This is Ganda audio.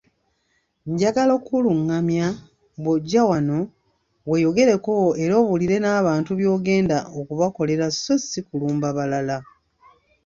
Njagala okulungamya, bw'ojja wano, weeyogereko era obuulire n’abantu by'ogenda okubakolera so ssi kulumba balala.